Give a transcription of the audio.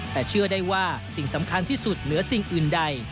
แต่เชื่อได้ว่าสิ่งสำคัญที่สุดเหลือสิ่งอื่นใด